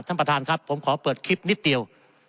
ท่านประธานครับผมขอเปิดคลิปนิดเดียว